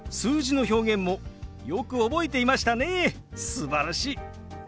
すばらしい！